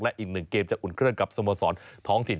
และอีกหนึ่งเกมจะอุ่นเครื่องกับสโมสรท้องถิ่น